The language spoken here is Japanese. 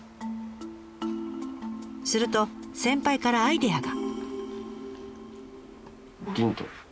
すると先輩からアイデアが。